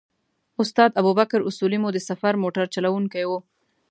استاد ابوبکر اصولي مو د سفر موټر چلوونکی و.